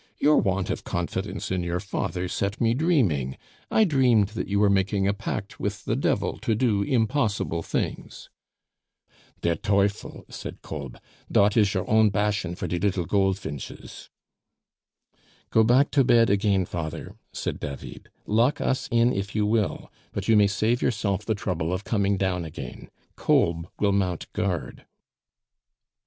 "Your want of confidence in your father set me dreaming; I dreamed you were making a pact with the Devil to do impossible things." "Der teufel," said Kolb; "dot is your own bassion for de liddle goldfinches." "Go back to bed again, father," said David; "lock us in if you will, but you may save yourself the trouble of coming down again. Kolb will mount guard."